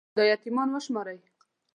دا يـتـيـمـان وشمارئ